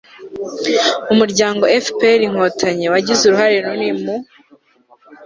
umuryango fpr-inkotanyi wagize uruhare runini mu